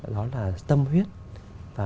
đó là tâm huyết và